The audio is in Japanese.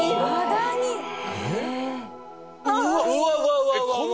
うわうわうわうわ！